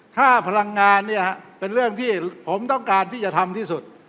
ถ้าพลังงานเนี่ยเป็นเรื่องที่ผมต้องการที่จะทำที่สุด